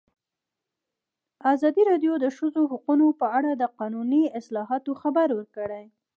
ازادي راډیو د د ښځو حقونه په اړه د قانوني اصلاحاتو خبر ورکړی.